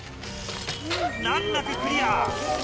難なくクリア。